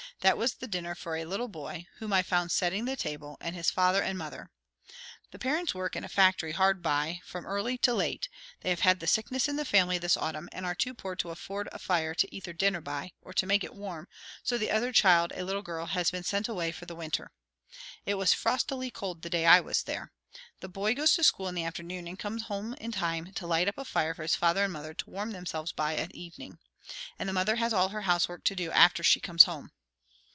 That was the dinner for a little boy, whom I found setting the table, and his father and mother. The parents work in a factory hard by, from early to late; they have had sickness in the family this autumn, and are too poor to afford a fire to eat their dinner by, or to make it warm, so the other child, a little girl, has been sent away for the winter. It was frostily cold the day I was there. The boy goes to school in the afternoon, and comes home in time to light up a fire for his father and mother to warm themselves by at evening. And the mother has all her housework to do after she comes home."